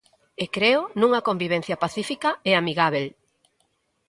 E creo nunha convivencia pacífica e amigábel.